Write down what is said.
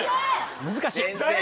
難しい。